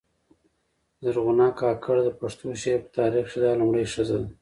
زرغونه کاکړه د پښتو شعر په تاریخ کښي دا لومړۍ ښځه ده.